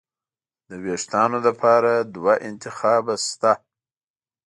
د وېښتانو لپاره دوه انتخابه شته.